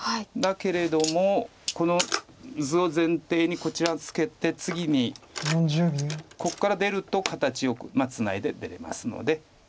だけれどもこの図を前提にこちらツケて次にここから出ると形よくツナいで出れますので。